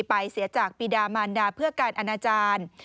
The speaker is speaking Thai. ไปเสียจากปีดามานดาเพื่อการอนาจารย์